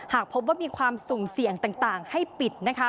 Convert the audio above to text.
หากพบว่ามีความสุ่มเสี่ยงต่างให้ปิดนะคะ